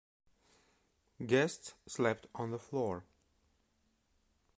Guests slept on the floor.